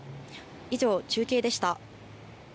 以上、中継でした。